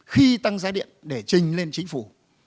khi tăng giá điện để trình lên chính phủ